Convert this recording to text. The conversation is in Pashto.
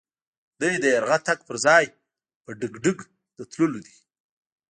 دی د يرغه تګ پر ځای په ډګډګ د تللو دی.